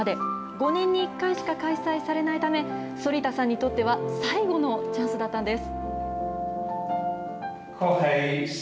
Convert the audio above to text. ５年に１回しか開催されないため、反田さんにとっては最後のチャンスだったんです。